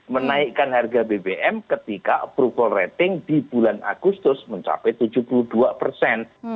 menaikkan harga bbm ketika approval rating di bulan agustus mencapai tujuh puluh dua persen